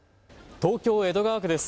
東京江戸川区です。